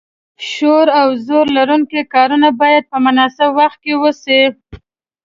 شور او زور لرونکي کارونه باید په مناسب وخت کې وشي.